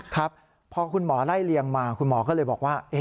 ครับพอคุณหมอไล่เลียงมาคุณหมอก็เลยบอกว่า